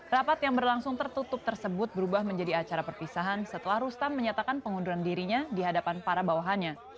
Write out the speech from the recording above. rapat yang berlangsung tertutup tersebut berubah menjadi acara perpisahan setelah rustam menyatakan pengunduran dirinya di hadapan para bawahannya